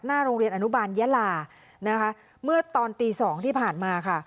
โรงเรียนอนุบาลยาลานะคะเมื่อตอนตีสองที่ผ่านมาค่ะ